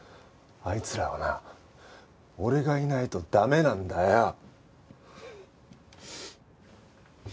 あいつらはな俺がいないと駄目なんだよ。